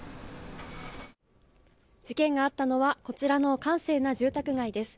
事件があったのは、こちらの閑静な住宅街です。